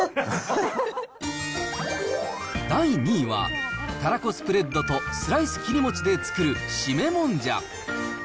第２位は、たらこスプレッドとスライス切り餅で作る締めもんじゃ。